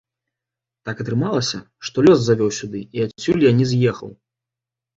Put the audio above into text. Так атрымалася, што лёс завёў сюды, і адсюль я не з'ехаў.